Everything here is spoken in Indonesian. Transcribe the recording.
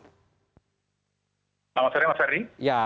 selamat sore mas ferdi